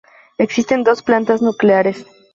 Existen dos plantas nucleares.